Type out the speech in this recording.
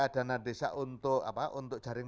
dana desa untuk jaring